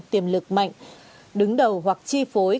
tiềm lực mạnh đứng đầu hoặc chi phối